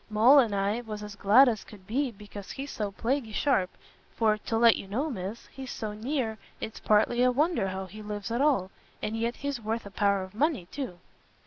Moll and I was as glad as could be, because he's so plaguy sharp; for, to let you know, Miss, he's so near, it's partly a wonder how he lives at all: and yet he's worth a power of money, too."